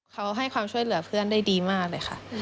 เขาให้ความช่วยเหลือเพื่อนได้ดีมากเลยค่ะ